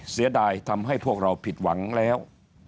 เสียดายทำให้พวกเราผิดหวังแล้ว